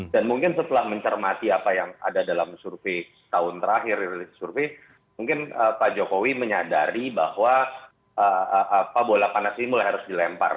dan mungkin setelah mencermati apa yang ada dalam survei tahun terakhir mungkin pak jokowi menyadari bahwa bola panas ini mulai harus dilempar